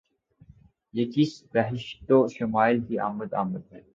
یہ کس بہشت شمائل کی آمد آمد ہے!